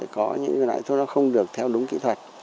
có những loại thuốc đó không được theo đúng kỹ thuật